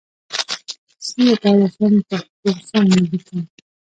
څنګه کولای شم پښتو سم ولیکم ؟